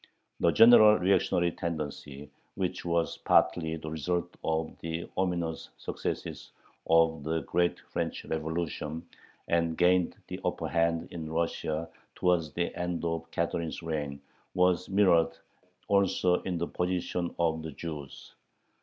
The general reactionary tendency, which was partly the result of the "ominous" successes of the great French Revolution, and gained the upper hand in Russia towards the end of Catherine's reign, was mirrored also in the position of the Jews.